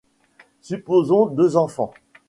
Supposons deux enfants.